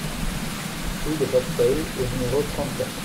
Rue de Raspail au numéro trente-quatre